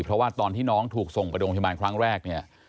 เพราะว่าตอนที่น้องถูกส่งไปโรงพยาบาลครั้งแรกเนี่ย